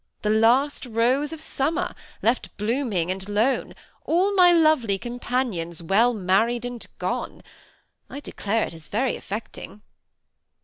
* The last rose of summer, left blooming and lone, All my lovely companions well married and gone I ' I declare it is very affecting."